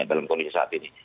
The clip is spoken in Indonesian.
dan kondisi saat ini